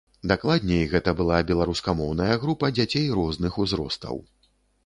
Дакладней, гэта была беларускамоўная група дзяцей розных узростаў.